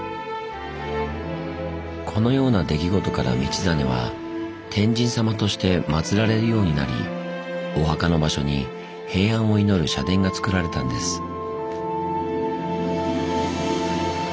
このような出来事から道真は「天神さま」として祀られるようになりお墓の場所に平安を祈る社殿がつくられたんです。